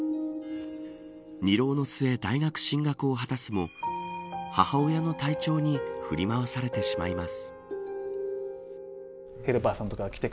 ２浪の末、大学進学を果たすも母親の体調に振り回されてしまいます。